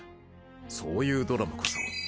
そういうドラマこそ。